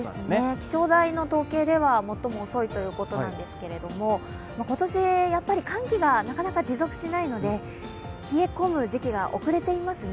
気象台の統計では最も遅いということですけど、今年、寒気がなかなか持続しないので冷え込む時期が遅れていますね。